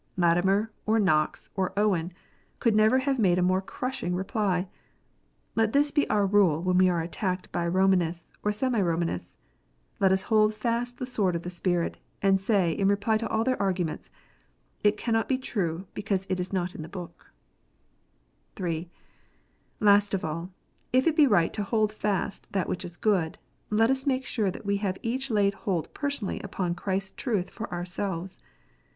Latimer, or Knox, or Owen, could never have made a more crushing reply. Let this be our rule when we are attacked by Romanists, or semi Romanists ; let us hold fast the sword of the Spirit; and say, in reply to all their arguments, " It cannot be true, because it is not in the Book" (3) Last of all, if it be right to "hold fast that which is good," let us make sure that we have each laid hold personally upon Christ s truth for ourselves.